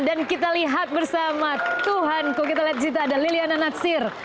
dan kita lihat bersama tuhan kok kita lihat cerita ada liliana natsir